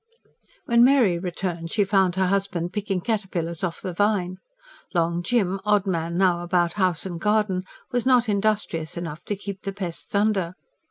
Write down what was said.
When Mary returned, she found her husband picking caterpillars off the vine: Long Jim, odd man now about house and garden, was not industrious enough to keep the pests under.